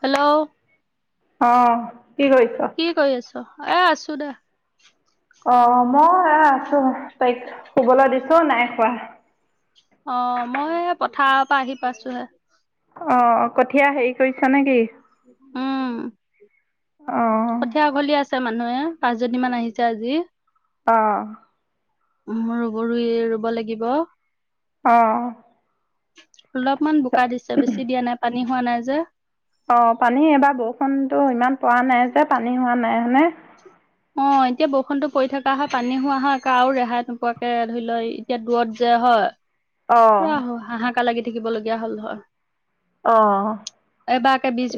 Hello! আহ! কি কৰি আছো এ আছো দো অ মই আছো তাইক শুবলৈ দিছো নাই খোৱা। অ মই পথাৰৰ পৰা আহি পাইছোহে অ কঠীয়া হেৰি কৰিছ নে কি উম অ', কঠীয়া ঘলি আছে। আছে মানুহে পাঁচজনী মান আহিছে আজি। অ' মোৰ গৰুৱে ৰুব লাগিব। আহ, অলপমান বোকা দিছে বেছি দিয়া নাই পানী হোৱা নাই যে, অ পানী এইবাৰ বৰষুণতো ইমান পৰা নাই যে পানী হোৱা নাই হানে, অ এতিয়া বৰষুণতো পৰি থকা হয় পানী হোৱা হয় আৰু ৰেহাই নকুৱাকে ধৰি লোৱা এতিয়া দূৰত যে হয়। অ', ৰা আহ হাহাকা লাগি থাকিব লগীয়া হ'ল ধৰ এই বাকে বচ,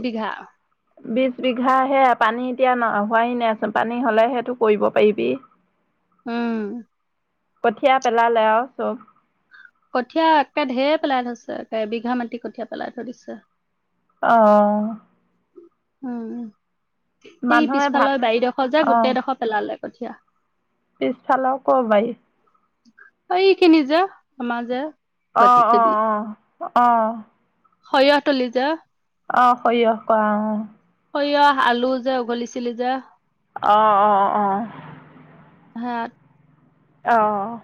বি বিঘা হে পানী এতিয়া ন খোৱাহি নাইচোন পানী হ'লে সেইটো কৰিব পাৰিবি। উম! কঠিয় পেলালে আৰু চব কঠীয়া একে পেলাই থৈছে একে বিঘা মাটি কঠীয়া পেলাই থৈ দিছে। আহ! উম সেই মানুহে ভাত পিছফালে বাৰীডোখৰ যে গোটেইডোখৰ পেলালে কঠীয়া, পিছফালেও ক ভাই! অখিন যা আমাৰ যে, মাটি আহ আহ আহ আহ! হয় অটলিজা, অ সৰিয়হ কোৱা সৰিয়হ আলু যে উঘলিছিলি যে, আহ অ অ' হা! অ'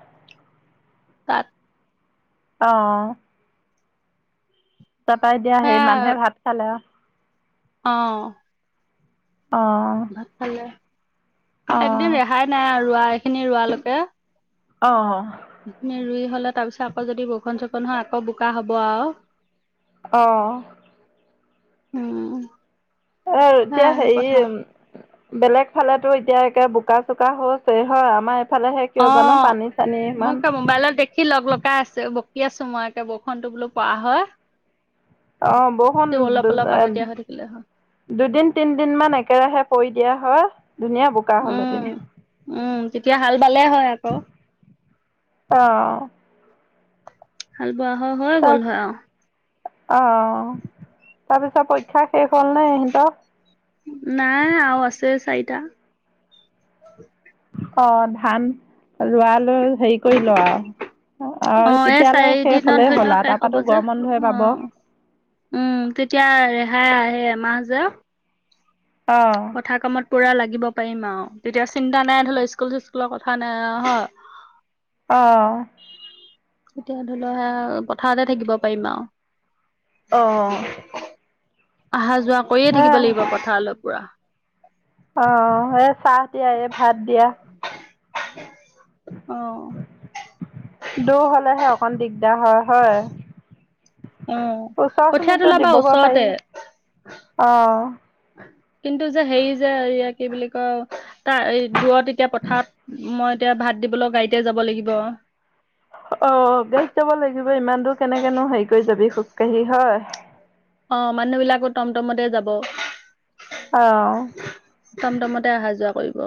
তাত, আহ! তাপাই দিয়া সেই সেয়া মানুহে ভাত খালে আৰু অ' ভাত খালে, অঁ একদিন ৰেহাই নাই আৰু ৰোৱা এইখিনি ৰোৱালৈকে অ' ৰুই হলে তাৰ পিছত আকৌ যদি বৰষুণ চষুণ হয় আকৌ বোকা হব আৰু, অ' উম! অতি হে, সেয়াই কথা বেলেগ ফালেতো এতিয়া একে বোকা চোকা হৈছে হয় আমাৰ,, এইফালেহে কিয় অ জানো পানী চানী মই ইমান ক মোবাইলত দেখি লগ লগাই আছে। কি আছোঁ মই একে বৰষুণটো বোলো পৰা হয়। অ বৰষুণ তেও অলপ অলপ আগতীয়া হৈ থাকিলে হয় দুদিন তিনদিন মান একেৰাহে পৰি। এতিয়া হয় ধুনীয়া বোকা উম হ'লহেতেন। উম তেতিয়া হাল বালে হয় আকৌ। অ। হাল বোৱা হয় হৈ গ'ল হয় আৰু। অহ তাৰপিছত পৰীক্ষা শেষ হ'ল নে ইহঁতৰ। নাই আৰু আছে চাৰিটা। অ ধান ৰুৱা লৈ হেৰি কৰি লওঁ আৰু। অ এই তেতিয়ালৈ শেষ চাৰিদিনত হলেই ধৰি হল লওক আৰু শেষ হ'ব তাৰপৰাটো যে গৰম বন্ধহে অ পাব। উম তেতিয়া ৰেহাই আহে এমাহ যে। অহ। পথাৰ কামত পুৰা লাগিব পাৰিম আৰু তেতিয়া চিন্তা নাই ধৰি লওঁ স্কুল চিস্কুলৰ কথা নাই হয়। অহ। এতিয়া ধৰি লওঁ পথাৰতে থাকিব পাৰিম আৰু। অহ। অহা-যোৱা কৰিয়ে থাকিব লাগিব পথাৰলৈ পুৰা। অ এ চাহ দিয়া এই ভাত দিয়া। [unintelligible] অ দূৰ হ'লেহে অকণ দিগদাৰ হয় হয়। অ ওচৰ কঠীয়া খিনিতো তোলা বা দিবগৈ ওচৰতে পাৰিম অ। কিন্তু যে হেৰি যে এয়া কি বুলি কয় তাৰ এই দূৰত এতিয়া পথাৰত। মই এতিয়া ভাত দিবলৈ গাড়ীতে যাব লাগিব। অ গাড়ীত যাব লাগিব ইমান দূৰ কেনেকেনো হেৰি কৰি যাবি খোজকাঢ়ি হয়। অ মানুহ বিলাকো টমটমতে যাব। অহ। টমটমতে অহা যোৱা কৰিব।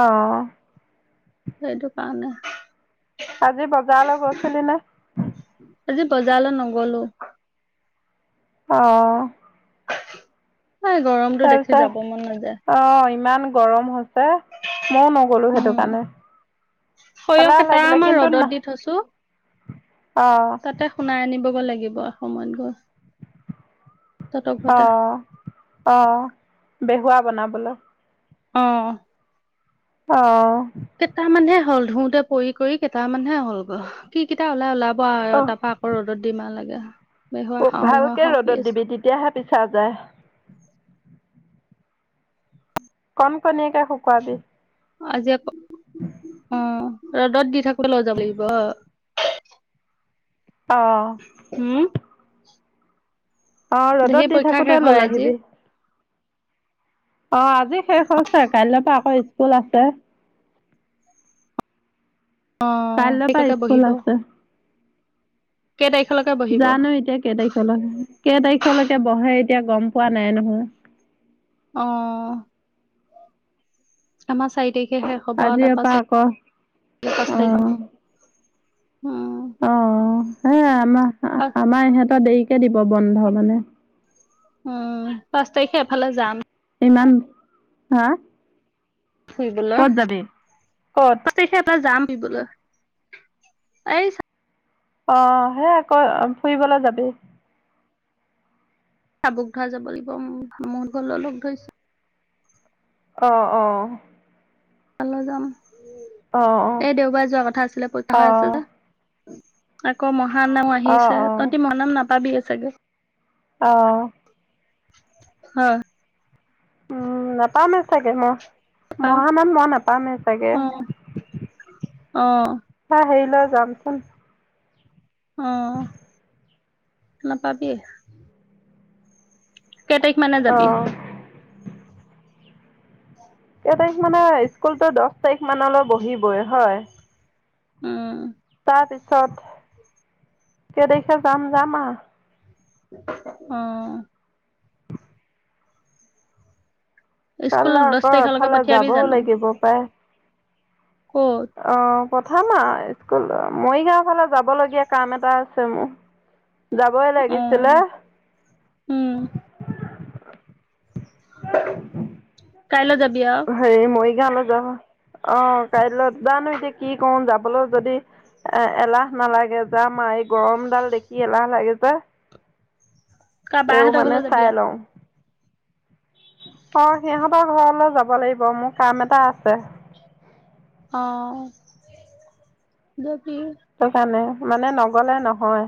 অহ। সেইটো কাৰণে। আজি বজাৰলৈ গৈছিলি নে। আজি বজাৰলৈ নগ'লো। অহ। এই গৰমটো দেখি তাৰপিছত যাব মন নাযায় অ ইমান গৰম হৈছে। মইও নগ'লো উম সেইটো কাৰণে। সৰিয়হ এলাহ কেইটা লাগিলে আমাৰ কিন্তু না ৰ'দত দি থৈছোঁ। অ তাতে শুনাই আনিব গৈ লাগিব সময়ত গৈ। তহঁতৰ অ ঘৰতে অ বেহুৱা বনাবলৈ। অ। অ। কেইটামানহে হ'ল ধুওঁতে পৰি কৰি কেইটামানহে হ'ল গৈ কি কেইটা ওলাই ওলাব। পোৱা হয় তাৰপৰা আকৌ ৰ'দত দিব লাগে। বেহুৱা অ খাওঁ বেহুৱা ভালকে খাওঁ কৰি ৰ'দত আছো দিবি তেতিয়াহে পিছা যায়। কনকনিয়াকে শুকুৱাবি। আজি আকো। অ ৰ'দত দি থাকো লৈ যাব লাগিব। অহ। অ ৰ'দত সেই দি পৰীক্ষা থাকোতে শেষ লৈ হ'ল আজি আহিবি। অ আজি শেষ হৈছে কাইলৈৰ পৰা আকৌ স্কুল আছে। অ কাইলৈৰ পৰা [unintelligible] স্কুল বহিব। আছে কেই তাৰিখলৈকে বহিব জানো অ এতিয়া কেইতাৰিখলৈ কেই তাৰিখলৈকে বহে। এতিয়া গম পোৱা নাই নহয়। অ, আমাৰ চাৰি তাৰিখ। বিশেষেষ হ'ব আজিৰ পাচ পৰা আকৌ - পাচ তাৰিখ উম, অহ, সেই আমাৰ আমাৰ ইহতৰ দেৰিকে দিব বন্ধ মানে। উম, পাচ তাৰিখে এফালে যাম। ইমান হাহ। ফুৰিবলৈ ক'ত তখে এটা যাম। ফুৰিবলৈ এই অহ, সে আকৌ ফুৰিবলৈ যাবি। চাবুক ধৰা যাব লাগিবুহত ঘৰলৈ লগ ধৰিছে। অ - অ। তালৈ যাম অ', অ', এই দেওবাৰ যোৱা কথা আছিলে পইতা অ', হৈ আছ দো আকৌ মহানাম অ', আহিছে তহতি মহানাম নাপাবি চাগে। অহ ', হয়। উম, নাপামে চাগে মই পা মহানাত মই নাপামেই চাগে। [inaudible] অ অ হা হেই ল যামচোন। অহ, নাপাবি। কেই তাৰিখ মানে যাবি। অ', কেই তাৰিখ মানে স্কুলতো দহ তাৰিখ মানলৈ বহিবই হয়। উম, তাৰ পিছত কেই দেখে যাম - যাম আহ, অ', [inaudible] স্কুল কালে দহ আকৌ তাৰিখলৈকে এফালে পঠিয়াবি যাবও জানো লাগিব পাই। ক'ত অ, কথা নাই। ক মৰিগাও ফালে যাব লগীয়া কাম এটা আছে মোৰ। যাবই অ লাগিছিলে। উম কাইলৈ যাবি আৰু। হেৰি মৰিগাঁওলৈ অ, কাইলৈ জানো এতিয়া কি কৰো যাবলৈ যদি এ - এলাহ নালাগে যা মাৰ গৰম ডাল দেখি এলাহ লাগে যে। কা তেও বাহঁতৰ মানে ঘৰলৈ যাবি চাই আৰু লও। অ, সিহতৰ ঘৰলৈ যাব লাগিব মোৰ কাম এটা আছে। ম সেই কাৰণে মানে নগলে নহয়।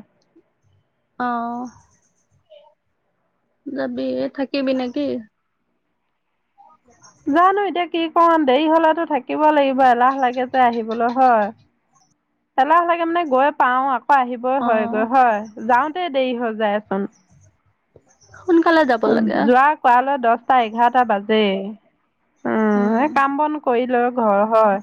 অ, যাবি থাকিবি নেকি? জানো এতিয়া কি কম দেৰি হলেতো থাকিব লাগিব এলাহ লাগে যে আহিবলৈ হয়। এলাহ লাগে মানে গৈ পাও আকৌ। আহিবই অ হয়গৈ হয় যাওতে দেৰি হৈ যায়চোন। সোনকালে যাব লাগে যোৱা খোৱালৈ দশটা এঘাৰটা বাজে। উম, উম এই কাম বন কৰিল ঘৰ হয়।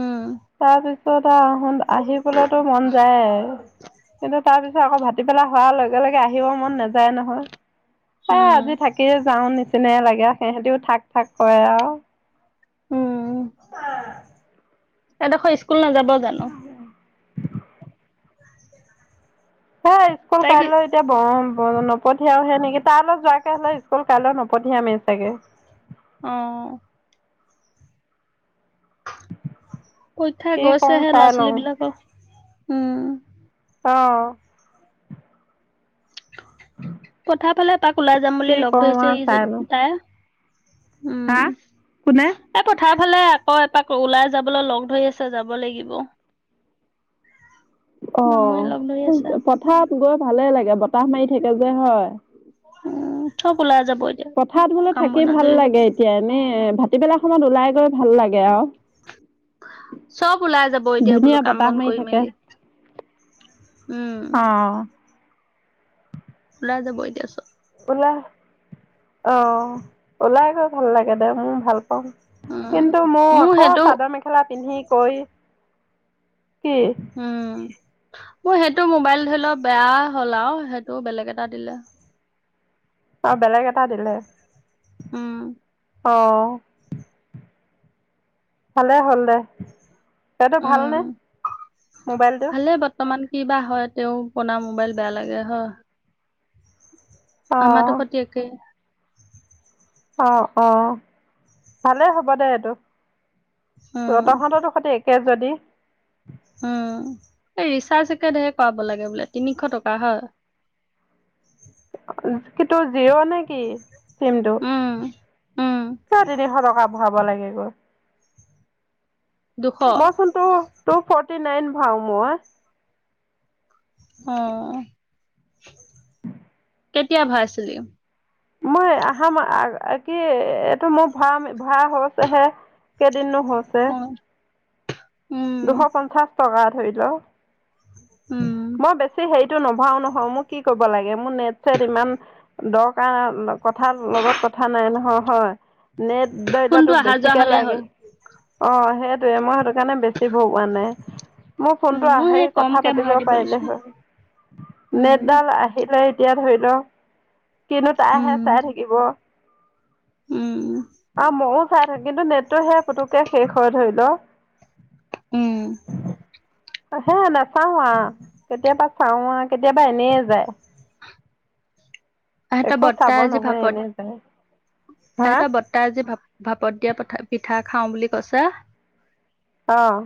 উম তাৰপিছত আহ, আহোন আহিবলেতো মন যায়। কিন্তু তাৰপিছ আকৌ ভাটিবেলা হোৱাৰ লগে - লগে আহিব মন নাযায় নহয়। এহ, উম আজি থাকিয়ে যাও নিচিনাই লাগে সিহতিও থাক থাক কৰে আৰু। উম এডোখৰ স্কুল নাযাবাও জানো। [inaudible] হেই স্কুল তাইক কাইলৈ এতিয়া যাব। ব নপঠিয়াওহে নেকি তাৰ অলত যোৱাকে হলে স্কুল কাইলৈ নপঠিয়ামেই চাগে। অ', কইঠা কি কওঁ গৈছেহে ল'ৰা চাই ছোৱালী লওঁ বিলাকক উম অঁ কথা ফালে তাক ওলাই যাম কি বুলি লগ কওঁ আৰু ধৰিছে চাই ইজন লওঁ। তাই হা কোনে সফালে আকৌ এপাক ওলাই যাবলৈ লগ ধৰি আছে যাব লাগিব অ মামুৱে লগ ধৰি আছে, পথাৰ গৈ ভালে লাগে বতাহ মাৰি থাকে যে হয় উম থব ওলাই যাব এতিয়া পথাৰত হলে কাম থাকি বন ভাল আজৰি হৈ। লাগে এতিয়া এনেই ভাটিবেলা সময়ত ওলাই গৈ ভাল লাগে আৰু চব ওলাই যাব এতিয়া বোলো ধুনীয়া কাম বতাহ বন মাৰি কৰি থাকে। মেলি উম অ'। ওলাই যাব এতিয়াা ল অ ওলাই গৈ ভাল লাগে দে মোৰ ভাল কিন্তু মোক উম। মোৰ আকৌ সেইটো, চাদৰ মেখেলা পিন্ধি কৈ উম মোৰ সেইটো মোবাইল ধৰি লওক বেয়া হ'ল আৰু সেইটো বেলেগ এটা দিলে। অ', বেলেগ এটা দিলে। উম, অ, ভালে হ'ল দে। সাতটো উম, ভালনে মোবাইলটো। ক বা হয়, তেও পনা মোবাইল বেয়া লাগে হ আমাটো অ' সতে একে অ-অ ভালেই হ'ব দে এইটো ত, উম। তহতৰো সৈতে একে যদি উম, এই ৰিচাৰ্জ একে ধেৰ কৰাব লাগে বোলে। তিনিশ টকা হয়? কিন্তু জিঅ'নে কি চিমটো উম, উম, ছয় তিনিশ টকা [unintelligible] লাগে গৈ দুশ মইচোন ত টু ফৰ্টি নাইন ভাও মই অ', কেতিয়া ভায়াইছিলি? মই আহাম কি এইটো মোৰ ভা ভাচহে কিনো হৈছে। অ', দুশ উম, পঞ্চাশ টকা ধৰি ল। উম, মই বেছি হেৰি টো নভাও নহয় মোক কি কৰিব লাগে মোৰ নেট চট ইমান দৰকাৰ কথাৰ লগত কথা নাই নহয় হয়? নেট ধৰি ল ফোনটো টোক অহা যোৱা বেছিকে হ'লেই হ'ল। লাগে। অ', সেইটোয়ে মই সে সেইকাৰণে বেছি ভগোৱা নাই। মোৰ উম, ফোনটো মোৰ আহে সেই কথা কমকে পাতিব ভৰাই দিব পাৰিলে দিছো। হয়, উম, নেটডাল আহি লে এতিয়া ধৰি ল কিন্তু উম, তাইহে চাই থাকিব। উম, আ ময়ো চাই থাকো কিন্তু নেটটো সেয়া পুতুকে শেষ হয় ধৰি ল। উম, হে নাচাও আ কেতিয়াবা চাও আ কেতিয়াবা এনেয় যায়। [inaudible] আহিহতৰ একো বৰ্তা চাব আজি নহয় এনে যায়। ভাপত হা আহিতৰ বৰ্তা আজি ভাপ ভাপত দিয়া পঠা, পিঠা খাওঁ বুলি কৈছে। আহ,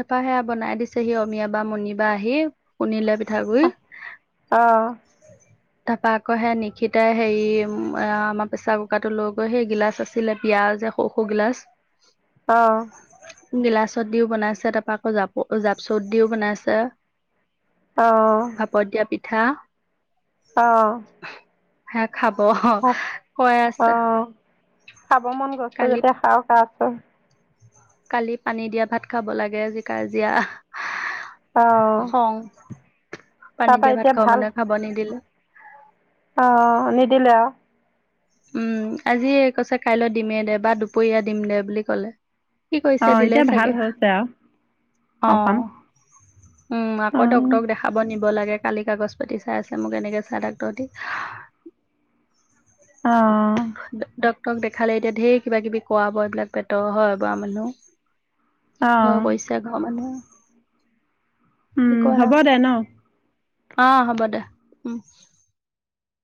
তাৰপৰা সেয়া বনাই দিছে সি অমিয়া বা মণ বা আহি শুনিলে পি অ'। তাৰপা আকৌ সেই নিশিতাই হেৰি আমাৰ প্ৰেচাৰ কুকাৰটো লৈ গৈ সেই গিলাচ আছিলে, পিয়াজ সৰু-সৰু গিলাচ অ', অ', গিলাচত দিও বনাইছে। তাৰপা আকৌ জাপ-জাপচৌত দিও বনাইছে। অহ ', হাহ, অ'। খাব ভ কৈ অ, আছে খাব মন গছে কালি যেতিয়া সাৰকা অ', কালি পানী দিয়া ভাত খাব লাগে, আজি কাজিয়া। অহ খং ', পানী দিয়া ভাত খাব মানে, খাব নিদিলো। অহ, নিদিল। উম, আজি কৈছে, কাইলৈ দিমেইদে বা দুপৰীয়া দিম দে বুলি ক'লে। কি কৰিছে অ', দিলে এতিয়া ভাল চাগে। হৈছে আৰু অকণ। অ'। উম, অ'। আকৌ ডকটৰক দেখাব নিবি লাগে কালি কাগজ পাতি চাই আছে মোক এনেকে চাই ডাক্তৰ দি আহ তক দেখালে এতিয়া ধঢেৰ কিবা কিবি কোৱা ব এইবিলাক পেতৰ হয় বৰা মানুহ ঘৰ অ', কৈছে ঘ মানে উম, ক হ'ব দে ন? অ হ'ব দে উম